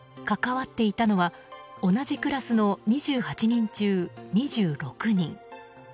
関わっていたのは同じクラスの２８人中２６人。